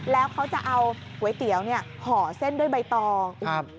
แล้วเขาจะเอาก๋วยเตี๋ยวเนี่ยห่อเส้นด้วยใบตอง